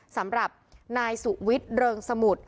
สำหรับนายสุวิทย์เริงสมุทร